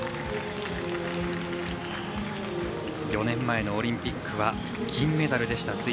４年前のオリンピックは銀メダルでした。